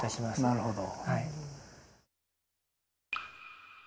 なるほど。